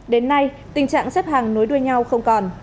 đến nay tình trạng xếp hàng nối đuôi nhau không còn